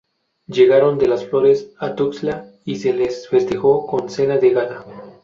Llegaron de Las Flores, a Tuxtla; y se les festejó con cena de gala.